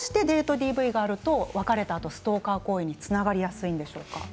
ＤＶがあると別れたあとストーカー行為につながりやすいんでしょうか。